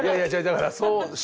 だから。